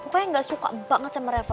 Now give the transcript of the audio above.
pokoknya gak suka banget sama reva